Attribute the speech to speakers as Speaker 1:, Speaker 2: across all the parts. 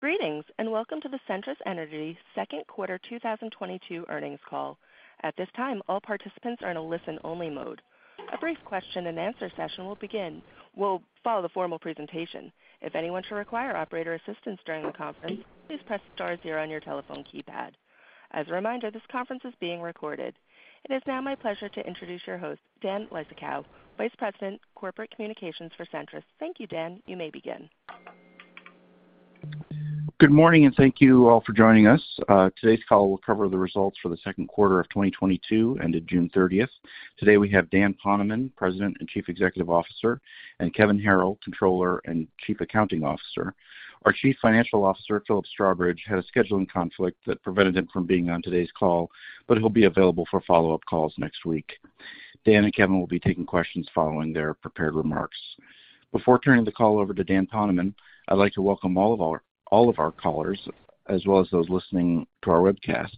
Speaker 1: Greetings, and welcome to the Centrus Energy Q2 2022 earnings call. At this time, all participants are in a listen-only mode. A brief question-and-answer session will follow the formal presentation. If anyone should require operator assistance during the conference, please press star zero on your telephone keypad. As a reminder, this conference is being recorded. It is now my pleasure to introduce your host, Dan Leistikow, Vice President, Corporate Communications for Centrus. Thank you, Dan. You may begin.
Speaker 2: Good morning and thank you all for joining us. Today's call will cover the results for the Q2 of 2022, ended June 30. Today, we have Dan Poneman, President and Chief Executive Officer, and Kevin Harrill, Controller and Chief Accounting Officer. Our Chief Financial Officer, Philip Strawbridge, had a scheduling conflict that prevented him from being on today's call, but he'll be available for follow-up calls next week. Dan and Kevin will be taking questions following their prepared remarks. Before turning the call over to Dan Poneman, I'd like to welcome all of our callers, as well as those listening to our webcast.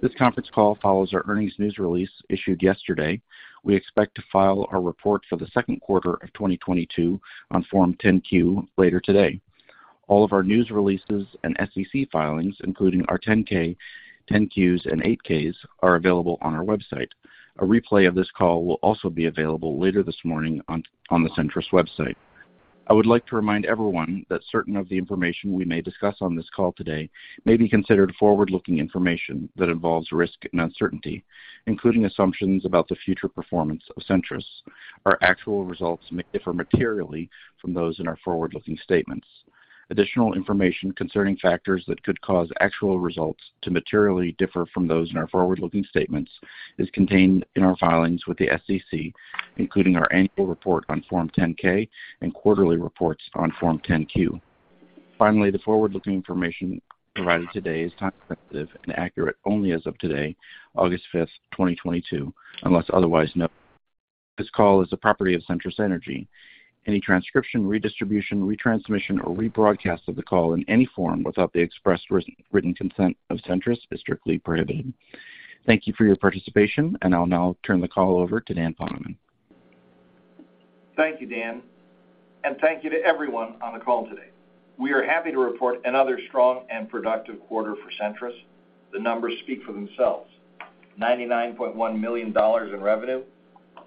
Speaker 2: This conference call follows our earnings news release issued yesterday. We expect to file our report for the Q2 of 2022 on Form 10-Q later today. All of our news releases and SEC filings, including our 10-K, 10-Qs, and 8-Ks, are available on our website. A replay of this call will also be available later this morning on the Centrus website. I would like to remind everyone that certain of the information we may discuss on this call today may be considered forward-looking information that involves risk and uncertainty, including assumptions about the future performance of Centrus. Our actual results may differ materially from those in our forward-looking statements. Additional information concerning factors that could cause actual results to materially differ from those in our forward-looking statements is contained in our filings with the SEC, including our annual report on Form 10-K and quarterly reports on Form 10-Q. Finally, the forward-looking information provided today is time sensitive and accurate only as of today, August 5, 2022, unless otherwise noted. This call is the property of Centrus Energy. Any transcription, redistribution, retransmission, or rebroadcast of the call in any form without the expressed written consent of Centrus is strictly prohibited. Thank you for your participation, and I'll now turn the call over to Dan Poneman.
Speaker 3: Thank you, Dan, and thank you to everyone on the call today. We are happy to report another strong and productive quarter for Centrus. The numbers speak for themselves, $99.1 million in revenue,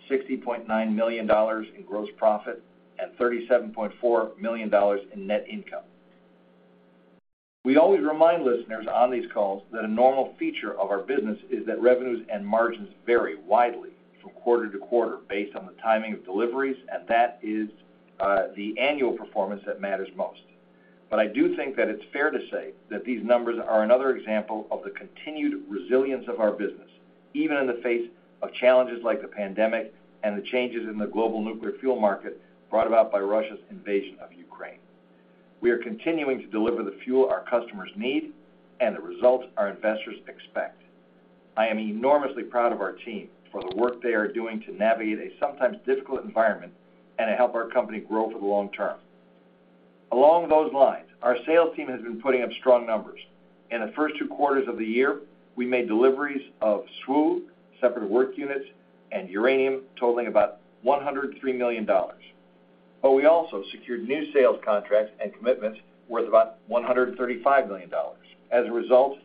Speaker 3: $60.9 million in gross profit, and $37.4 million in net income. We always remind listeners on these calls that a normal feature of our business is that revenues and margins vary widely from quarter-to-quarter based on the timing of deliveries, and that is, the annual performance that matters most. I do think that it's fair to say that these numbers are another example of the continued resilience of our business, even in the face of challenges like the pandemic and the changes in the global nuclear fuel market brought about by Russia's invasion of Ukraine. We are continuing to deliver the fuel our customers need and the results our investors expect. I am enormously proud of our team for the work they are doing to navigate a sometimes-difficult environment and to help our company grow for the long term. Along those lines, our sales team has been putting up strong numbers. In the first two quarters of the year, we made deliveries of SWU, separate work units, and uranium totaling about $103 million. We also secured new sales contracts and commitments worth about $135 million. As a result,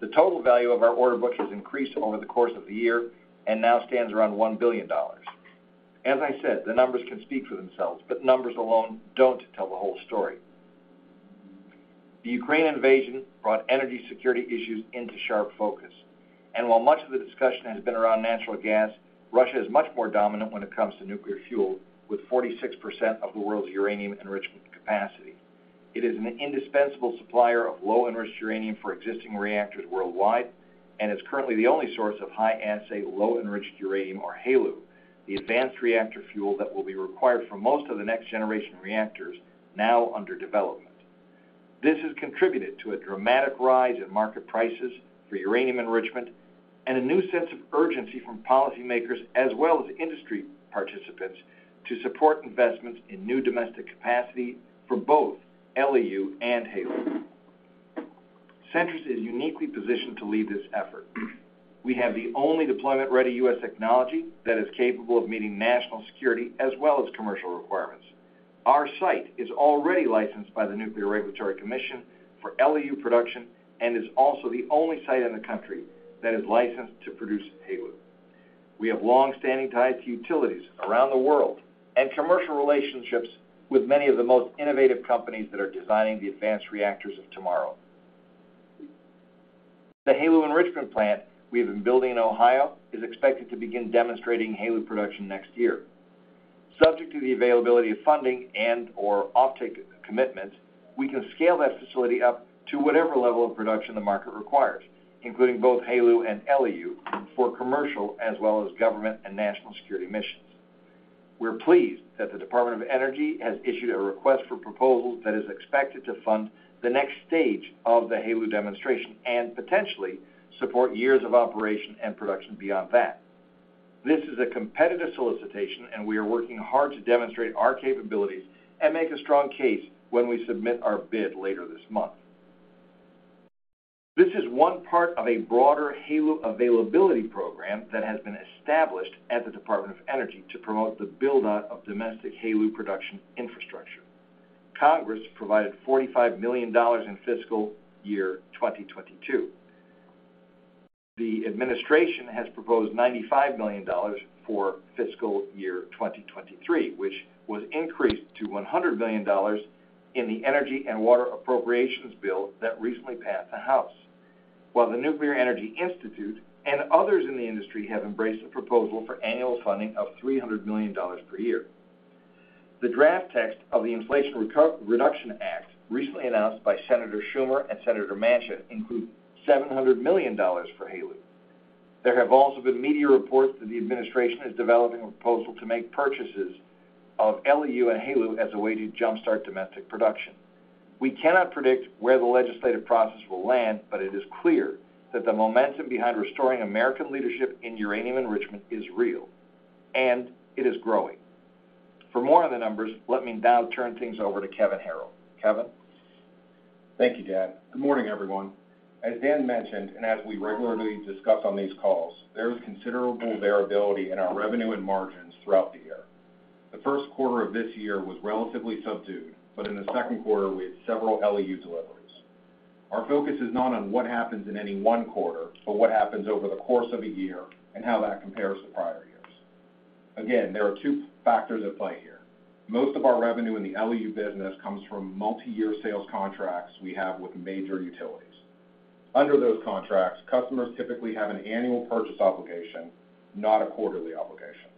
Speaker 3: the total value of our order book has increased over the course of the year and now stands around $1 billion. As I said, the numbers can speak for themselves, but numbers alone don't tell the whole story. The Ukraine invasion brought energy security issues into sharp focus. While much of the discussion has been around natural gas, Russia is much more dominant when it comes to nuclear fuel, with 46% of the world's uranium enrichment capacity. It is an indispensable supplier of Low-Enriched Uranium for existing reactors worldwide and is currently the only source of High-Assay Low-Enriched Uranium, or HALEU, the advanced reactor fuel that will be required for most of the next-generation reactors now under development. This has contributed to a dramatic rise in market prices for uranium enrichment and a new sense of urgency from policymakers as well as industry participants to support investments in new domestic capacity for both LEU and HALEU. Centrus is uniquely positioned to lead this effort. We have the only deployment-ready U.S. technology that is capable of meeting national security as well as commercial requirements. Our site is already licensed by the Nuclear Regulatory Commission for LEU production and is also the only site in the country that is licensed to produce HALEU. We have long-standing ties to utilities around the world and commercial relationships with many of the most innovative companies that are designing the advanced reactors of tomorrow. The HALEU enrichment plant we have been building in Ohio is expected to begin demonstrating HALEU production next year. Subject to the availability of funding and/or offtake commitments, we can scale that facility up to whatever level of production the market requires, including both HALEU and LEU for commercial as well as government and national security missions. We're pleased that the Department of Energy has issued a request for proposals that is expected to fund the next stage of the HALEU demonstration and potentially support years of operation and production beyond that. This is a competitive solicitation, and we are working hard to demonstrate our capabilities and make a strong case when we submit our bid later this month. This is one part of a broader HALEU availability program that has been established at the Department of Energy to promote the build-out of domestic HALEU production infrastructure. Congress provided $45 million in fiscal year 2022. The administration has proposed $95 million for fiscal year 2023, which was increased to $100 million in the Energy and Water Appropriations bill that recently passed the House. While the Nuclear Energy Institute and others in the industry have embraced the proposal for annual funding of $300 million per year. The draft text of the Inflation Reduction Act, recently announced by Senator Schumer and Senator Manchin, includes $700 million for HALEU. There have also been media reports that the administration is developing a proposal to make purchases of LEU and HALEU as a way to jumpstart domestic production. We cannot predict where the legislative process will land, but it is clear that the momentum behind restoring American leadership in uranium enrichment is real, and it is growing. For more on the numbers, let me now turn things over to Kevin Harrill. Kevin.
Speaker 4: Thank you, Dan. Good morning, everyone. As Dan mentioned, and as we regularly discuss on these calls, there is considerable variability in our revenue and margins throughout the year. The Q1 of this year was relatively subdued, but in the Q2 we had several LEU deliveries. Our focus is not on what happens in any one quarter, but what happens over the course of a year and how that compares to prior years. Again, there are two factors at play here. Most of our revenue in the LEU business comes from multi-year sales contracts we have with major utilities. Under those contracts, customers typically have an annual purchase obligation, not a quarterly obligation.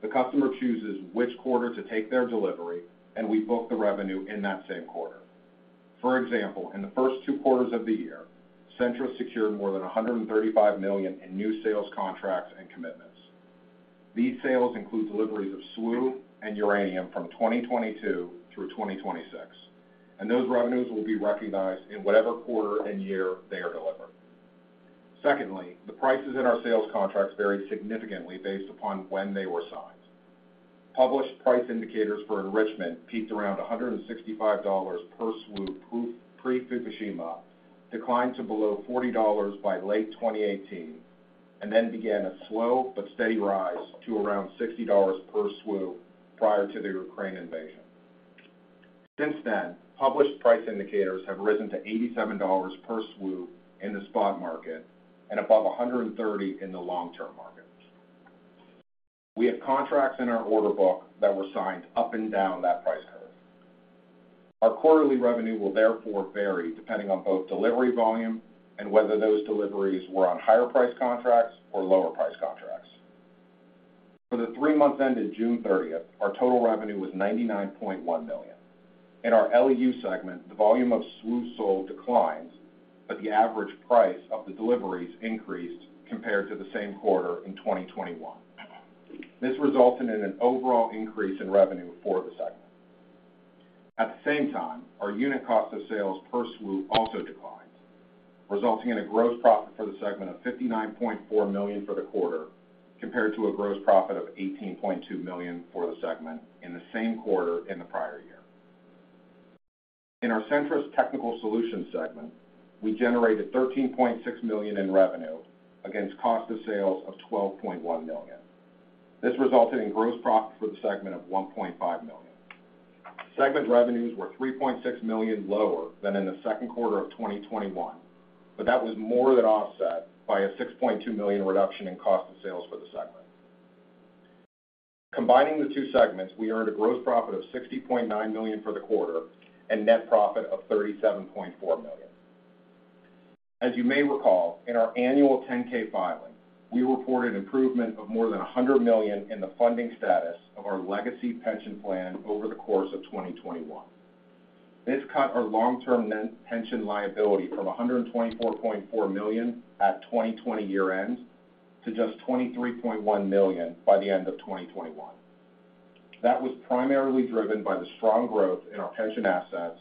Speaker 4: The customer chooses which quarter to take their delivery, and we book the revenue in that same quarter. For example, in the first two quarters of the year, Centrus secured more than $135 million in new sales contracts and commitments. These sales include deliveries of SWU and uranium from 2022 through 2026, and those revenues will be recognized in whatever quarter and year they are delivered. Secondly, the prices in our sales contracts vary significantly based upon when they were signed. Published price indicators for enrichment peaked around $165 per SWU pre-Fukushima, declined to below $40 by late 2018, and then began a slow but steady rise to around $60 per SWU prior to the Ukraine invasion. Since then, published price indicators have risen to $87 per SWU in the spot market and above $130 in the long-term market. We have contracts in our order book that were signed up and down that price curve. Our quarterly revenue will therefore vary depending on both delivery volume and whether those deliveries were on higher price contracts or lower price contracts. For the three months ended June 30, our total revenue was $99.1 million. In our LEU segment, the volume of SWU sold declines, but the average price of the deliveries increased compared to the same quarter in 2021. This resulted in an overall increase in revenue for the segment. At the same time, our unit cost of sales per SWU also declined, resulting in a gross profit for the segment of $59.4 million for the quarter, compared to a gross profit of $18.2 million for the segment in the same quarter in the prior year. In our Centrus Technical Solutions segment, we generated $13.6 million in revenue against cost of sales of $12.1 million. This resulted in gross profit for the segment of $1.5 million. Segment revenues were $3.6 million lower than in the Q2 of 2021, but that was more than offset by a $6.2 million reduction in cost of sales for the segment. Combining the two segments, we earned a gross profit of $60.9 million for the quarter and net profit of $37.4 million. As you may recall, in our annual 10-K filing, we reported improvement of more than $100 million in the funding status of our legacy pension plan over the course of 2021. This cut our long-term pension liability from $124.4 million at 2020 year-end to just $23.1 million by the end of 2021. That was primarily driven by the strong growth in our pension assets,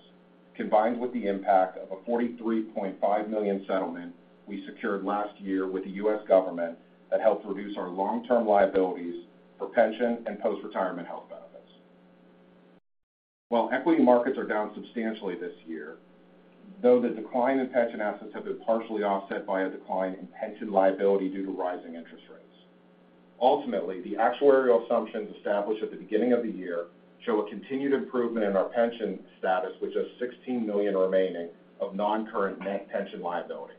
Speaker 4: combined with the impact of a $43.5 million settlement we secured last year with the U.S. government that helped reduce our long-term liabilities for pension and post-retirement health benefits. While equity markets are down substantially this year, the decline in pension assets has been partially offset by a decline in pension liability due to rising interest rates. Ultimately, the actuarial assumptions established at the beginning of the year show a continued improvement in our pension status, with just $16 million remaining of non-current pension liability.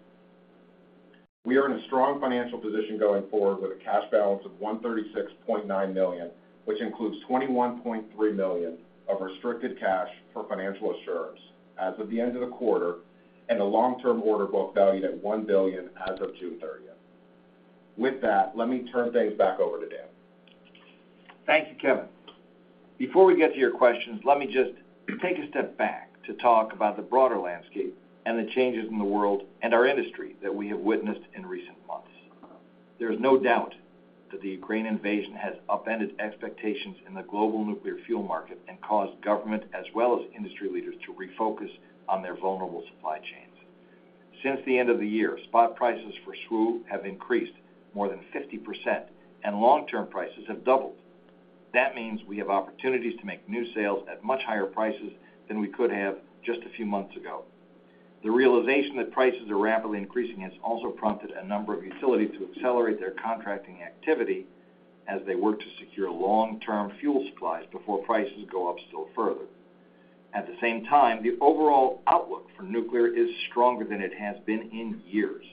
Speaker 4: We are in a strong financial position going forward with a cash balance of $136.9 million, which includes $21.3 million of restricted cash for financial assurance as of the end of the quarter, and a long-term order book valued at $1 billion as of June 30. With that, let me turn things back over to Dan.
Speaker 3: Thank you, Kevin. Before we get to your questions, let me just take a step back to talk about the broader landscape and the changes in the world and our industry that we have witnessed in recent months. There is no doubt that the Ukraine invasion has upended expectations in the global nuclear fuel market and caused government as well as industry leaders to refocus on their vulnerable supply chains. Since the end of the year, spot prices for SWU have increased more than 50% and long-term prices have doubled. That means we have opportunities to make new sales at much higher prices than we could have just a few months ago. The realization that prices are rapidly increasing has also prompted a number of utilities to accelerate their contracting activity as they work to secure long-term fuel supplies before prices go up still further. At the same time, the overall outlook for nuclear is stronger than it has been in years.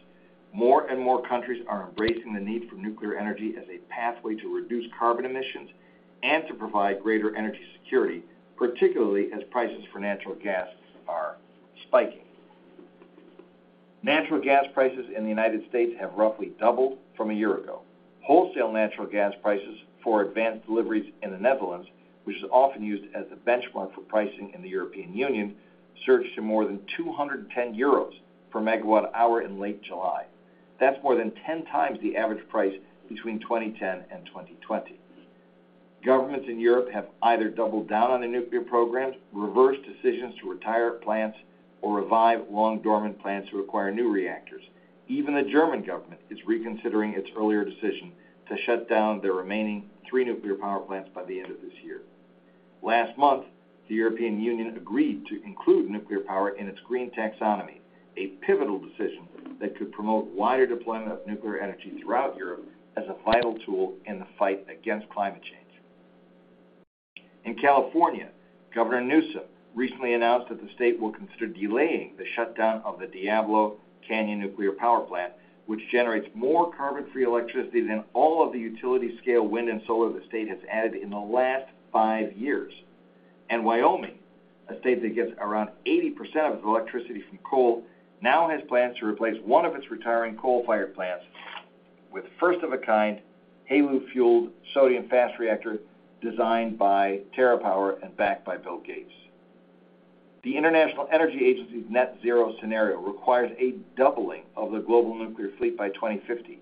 Speaker 3: More and more countries are embracing the need for nuclear energy as a pathway to reduce carbon emissions and to provide greater energy security, particularly as prices for natural gas are spiking. Natural gas prices in the United States have roughly doubled from a year ago. Wholesale natural gas prices for advanced deliveries in the Netherlands, which is often used as the benchmark for pricing in the European Union, surged to more than 210 euros per MWh in late July. That's more than 10x the average price between 2010 and 2020. Governments in Europe have either doubled down on their nuclear programs, reversed decisions to retire plants, or revive long-dormant plants to acquire new reactors. Even the German government is reconsidering its earlier decision to shut down their remaining three nuclear power plants by the end of this year. Last month, the European Union agreed to include nuclear power in its EU Taxonomy, a pivotal decision that could promote wider deployment of nuclear energy throughout Europe as a vital tool in the fight against climate change. In California, Governor Newsom recently announced that the state will consider delaying the shutdown of the Diablo Canyon Nuclear Power Plant, which generates more carbon-free electricity than all of the utility-scale wind and solar the state has added in the last five years. Wyoming, a state that gets around 80% of its electricity from coal, now has plans to replace one of its retiring coal-fired plants with first-of-a-kind HALEU-fueled sodium-cooled fast reactor designed by TerraPower and backed by Bill Gates. The International Energy Agency's net-zero scenario requires a doubling of the global nuclear fleet by 2050,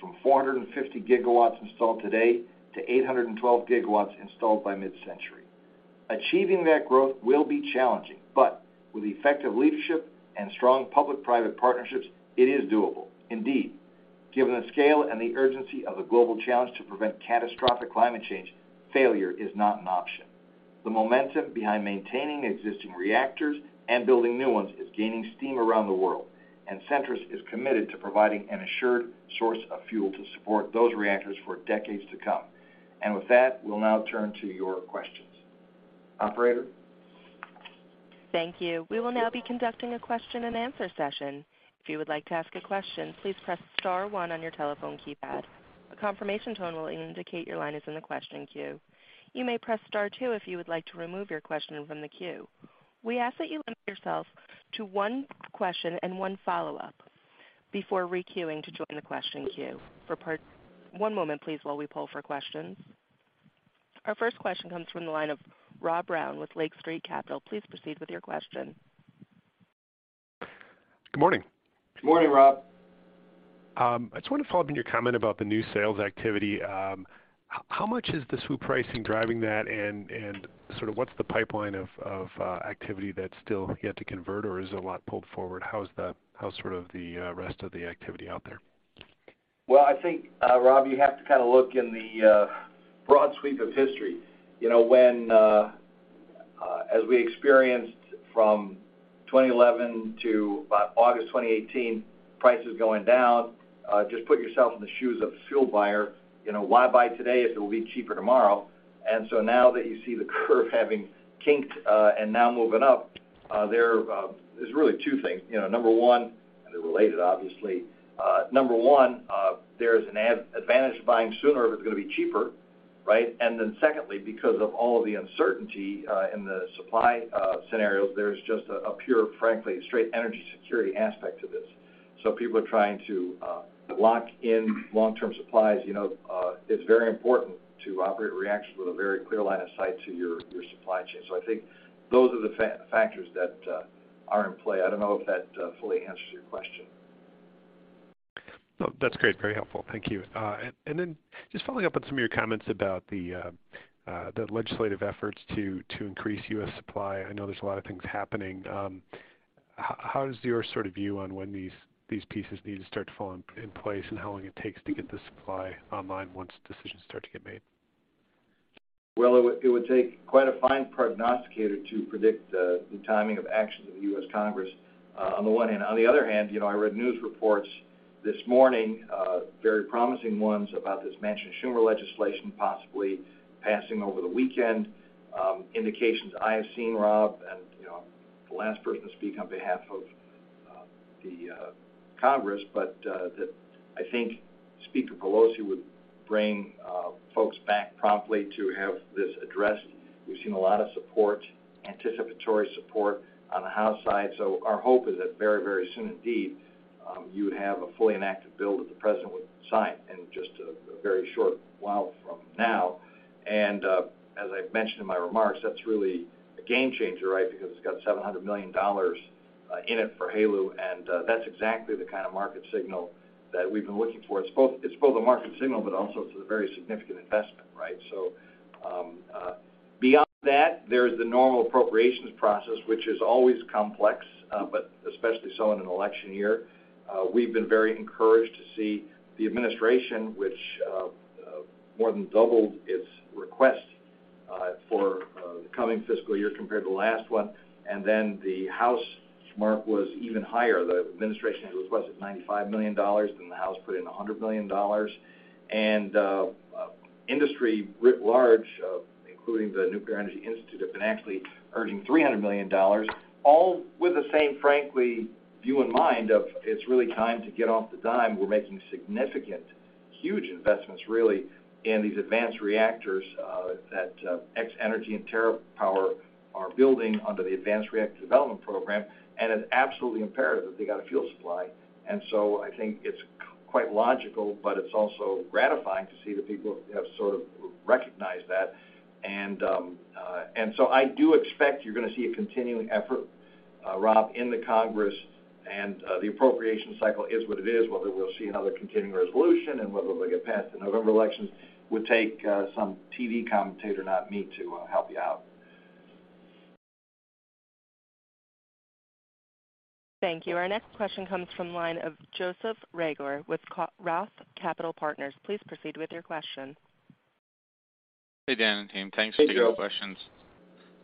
Speaker 3: from 450 GW installed today to 812 GW installed by mid-century. Achieving that growth will be challenging, but with effective leadership and strong public-private partnerships, it is doable. Indeed, given the scale and the urgency of the global challenge to prevent catastrophic climate change, failure is not an option. The momentum behind maintaining existing reactors and building new ones is gaining steam around the world, and Centrus is committed to providing an assured source of fuel to support those reactors for decades to come. With that, we'll now turn to your questions. Operator?
Speaker 1: Thank you. We will now be conducting a question-and-answer session. If you would like to ask a question, please press star one on your telephone keypad. A confirmation tone will indicate your line is in the question queue. You may press star two if you would like to remove your question from the queue. We ask that you limit yourself to one question and one follow-up before re-queuing to join the question queue. One moment, please, while we poll for questions. Our first question comes from the line of Rob Brown with Lake Street Capital Markets. Please proceed with your question.
Speaker 5: Good morning.
Speaker 3: Good morning, Rob.
Speaker 5: I just want to follow up on your comment about the new sales activity. How much is the SWU pricing driving that? And sort of what's the pipeline of activity that's still yet to convert? Or is it a lot pulled forward? How's sort of the rest of the activity out there?
Speaker 3: Well, I think, Rob, you have to kind of look in the broad sweep of history. You know, when, as we experienced from 2011 to about August 2018, prices going down, just put yourself in the shoes of a fuel buyer. You know, why buy today if it will be cheaper tomorrow? Now that you see the curve having kinked, and now moving up, there is really two things. You know, number one, and they're related, obviously. Number one, there's an advantage buying sooner if it's going to be cheaper, right? Secondly, because of all of the uncertainty in the supply scenarios, there's just a pure, frankly, straight energy security aspect to this. People are trying to lock in long-term supplies. You know, it's very important to operate reactors with a very clear line of sight to your supply chain. I think those are the factors that are in play. I don't know if that fully answers your question.
Speaker 5: No, that's great. Very helpful. Thank you. Just following up on some of your comments about the legislative efforts to increase U.S. supply, I know there's a lot of things happening. How is your sort of view on when these pieces need to start to fall in place and how long it takes to get the supply online once decisions start to get made?
Speaker 3: Well, it would take quite a fine prognosticator to predict the timing of actions of the U.S. Congress on the one hand. On the other hand, you know, I read news reports this morning, very promising ones about this Manchin-Schumer legislation possibly passing over the weekend. Indications I have seen, Rob, and, you know, I'm the last person to speak on behalf of the Congress, but I think Speaker Pelosi would bring folks back promptly to have this addressed. We've seen a lot of support, anticipatory support on the House side. Our hope is that very, very soon indeed, you would have a fully enacted bill that the president would sign in just a very short while from now. As I've mentioned in my remarks, that's really a game changer, right? Because it's got $700 million in it for HALEU, and that's exactly the kind of market signal that we've been looking for. It's both a market signal, but also, it's a very significant investment, right? Beyond that, there's the normal appropriations process, which is always complex, but especially so in an election year. We've been very encouraged to see the administration, which more than doubled its request for the coming fiscal year compared to the last one. The House mark was even higher. The administration had requested $95 million, then the House put in $100 million. Industry writ large, including the Nuclear Energy Institute, have been actually asking for $300 million, all with the same, frankly, view in mind of its really time to get off the dime. We're making significant, huge investments really in these advanced reactors that X-energy and TerraPower are building under the Advanced Reactor Demonstration Program. It's absolutely imperative that they got a fuel supply. I think it's quite logical, but it's also gratifying to see that people have sort of recognized that. I do expect you're going to see a continuing effort, Rob, in the Congress, and the appropriation cycle is what it is, whether we'll see another continuing resolution and whether we'll get past the November elections will take some TV commentator, not me, to help you out.
Speaker 1: Thank you. Our next question comes from the line of Joseph Reagor with Roth Capital Partners. Please proceed with your question.
Speaker 6: Hey, Dan and team.
Speaker 3: Hey, Joe.
Speaker 6: Thanks for taking the questions.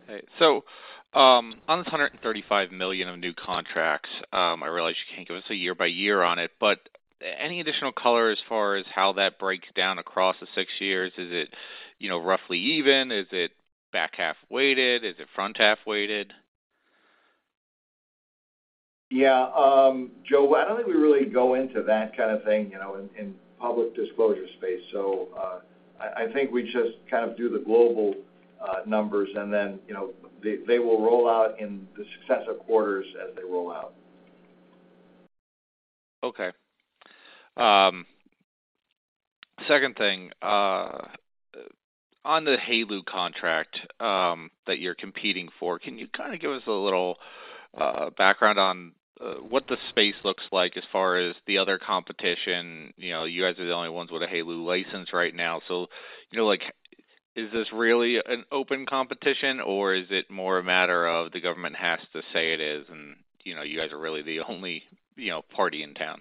Speaker 6: Hey, so, on this $135 million of new contracts, I realize you can't give us a year by year on it, but any additional color as far as how that breaks down across the six years? Is it, you know, roughly even? Is it back half weighted? Is it front half weighted?
Speaker 3: Yeah. Joe, I don't think we really go into that kind of thing, you know, in public disclosure space. I think we just kind of do the global numbers and then, you know, they will roll out in successive quarters as they roll out.
Speaker 6: Okay. Second thing, on the HALEU contract that you're competing for, can you kind of give us a little background on what the space looks like as far as the other competition? You know, you guys are the only ones with a HALEU license right now, so, you know, like, is this really an open competition, or is it more a matter of the government has to say it is, and, you know, you guys are really the only, you know, party in town?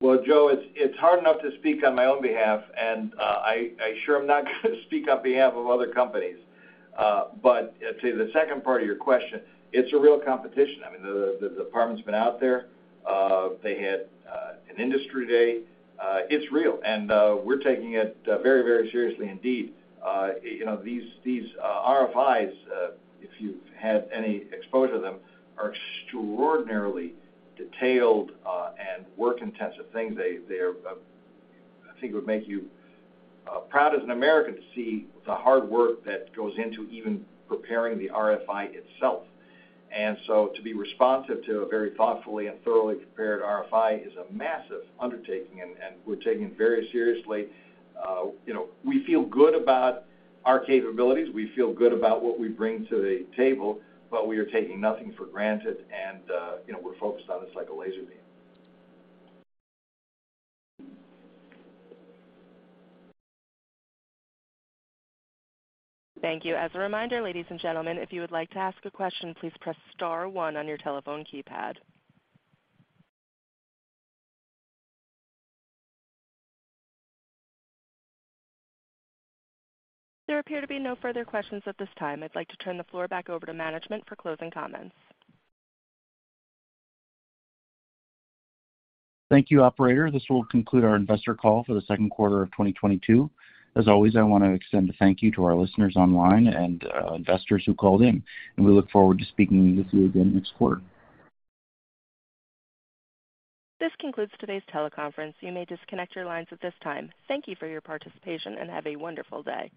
Speaker 3: Well, Joe, it's hard enough to speak on my own behalf, and I sure am not going to speak on behalf of other companies. To the second part of your question, it's a real competition. I mean, the department's been out there. They had an industry day. It's real, and we're taking it very seriously indeed. You know, these RFIs, if you've had any exposure to them, are extraordinarily detailed and work intensive things. There, I think, would make you proud as an American to see the hard work that goes into even preparing the RFI itself. To be responsive to a very thoughtfully and thoroughly prepared RFI is a massive undertaking, and we're taking it very seriously. You know, we feel good about our capabilities. We feel good about what we bring to the table, but we are taking nothing for granted, and, you know, we're focused on this like a laser beam.
Speaker 1: Thank you. As a reminder, ladies and gentlemen, if you would like to ask a question, please press star one on your telephone keypad. There appear to be no further questions at this time. I'd like to turn the floor back over to management for closing comments.
Speaker 3: Thank you, operator. This will conclude our investor call for the Q2 of 2022. As always, I want to extend a thank you to our listeners online and investors who called in. We look forward to speaking with you again next quarter.
Speaker 1: This concludes today's teleconference. You may disconnect your lines at this time. Thank you for your participation, and have a wonderful day.